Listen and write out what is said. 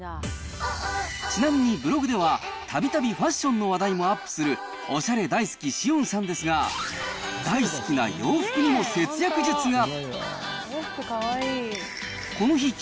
ちなみに、ブログではたびたびファッションの話題もアップするおしゃれ大好き紫苑さんですが、大好きな洋服にも節約術が。